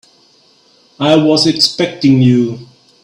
I was expecting you.